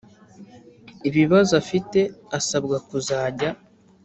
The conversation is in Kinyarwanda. ibibazo afite asabwa kuzajya